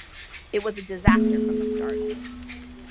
It was a disaster from the start.